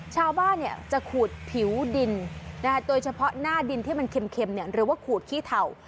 ชาวบ้านจะขูดผิวดินโดยเฉพาะหน้าดินที่มันเค็มหรือว่าขูดขี้เทา